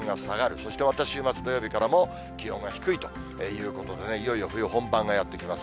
そしてまた週末土曜日からも気温が低いということで、いよいよ冬本番がやってきます。